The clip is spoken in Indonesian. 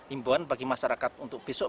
imbauan bagi masyarakat untuk besok